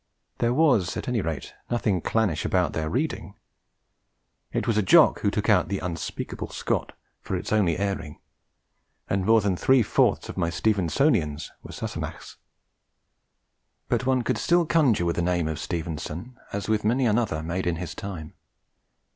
There was, at any rate, nothing clannish about their reading. It was a Jock who took The Unspeakable Scot for its only airing; and more than three fourths of my Stevensonians were Sassenachs. But one could still conjure with the name of Stevenson, as with many another made in his time.